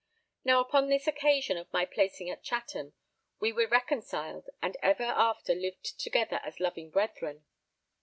Now upon this occasion of my placing at Chatham, we were reconciled and ever after lived together as loving brethren.